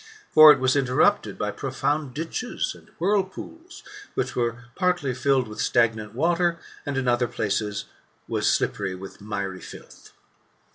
For it was interrupted by profound ditches and whirlpools, which were partly filled with stagnant water, and in other places were slippery with miry filth.